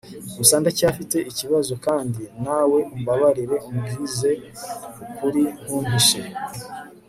gusa ndacyafite ikibazo kandi nawe umbabarire umbwize ukuri ntumpishe